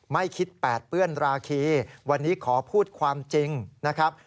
ไม่คิดแปดเปื้อนราคีวันนี้ขอพูดความจริงนะครับ